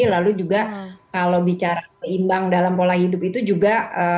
lalu juga kalau bicara seimbang dalam pola hidup itu juga